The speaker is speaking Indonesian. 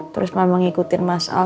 terus memang ngikutin mas al